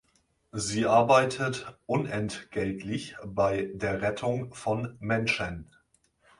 Sie arbeitet unentgeltlich bei der Rettung von Menschen.